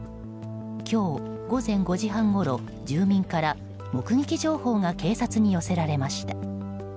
今日午前５時半ごろ住民から目撃情報が警察に寄せられました。